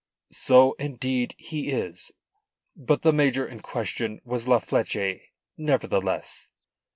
"So indeed he is. But the major in question was La Fleche nevertheless."